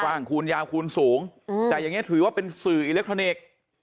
คูณยาวคูณสูงแต่อย่างนี้ถือว่าเป็นสื่ออิเล็กทรอนิกส์